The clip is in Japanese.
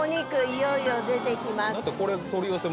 いよいよ出てきますだって